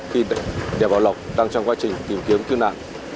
khi đè vào lọc đang trong quá trình tìm kiếm cứu nạn